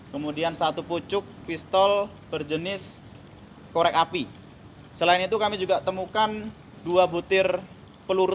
kemudian satu pucuk pistol berjenis korek api selain itu kami juga temukan dua butir peluru